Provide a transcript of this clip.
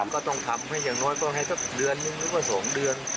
ข้อมตอบไปก่อนให้สักเดือนไม่ว่าสองเดือน